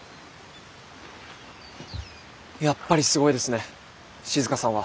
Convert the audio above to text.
やっぱりすごいですね静さんは。